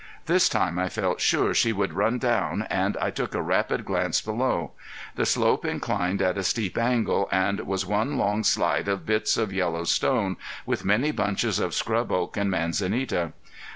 This time I felt sure she would run down and I took a rapid glance below. The slope inclined at a steep angle and was one long slide of bits of yellow stone with many bunches of scrub oak and manzanita.